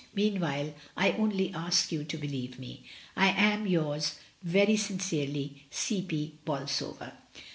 Meanwhile, I can only ask you to believe me. "I am yours very sincerely, "C P. BOLSOVER."